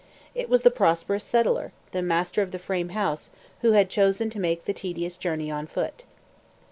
It was the prosperous settler, the master of the frame house, who had chosen to make the tedious journey on foot.